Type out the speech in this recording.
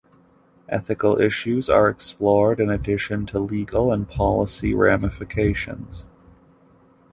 Ethical issues are explored in addition to legal and policy ramifications.